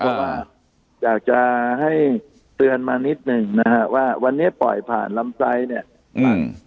เพราะว่าอยากจะให้เตือนมานิดหนึ่งนะฮะว่าวันนี้ปล่อยผ่านลำไส้เนี่ยอืม